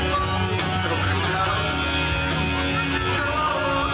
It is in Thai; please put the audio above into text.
อีกเพลงหนึ่งครับนี้ให้สนสารเฉพาะเลย